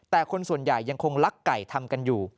แต่คนส่วนใหญ่ยังคงลักไก่ทำกันอยู่